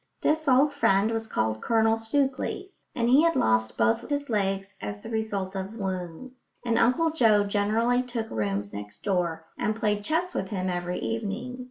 This old friend was called Colonel Stookley, and he had lost both his legs as the result of wounds; and Uncle Joe generally took rooms next door and played chess with him every evening.